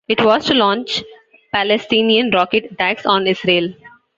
It was to launch Palestinian rocket attacks on Israel.